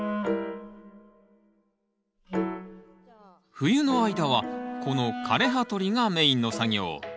冬の間はこの枯れ葉取りがメインの作業。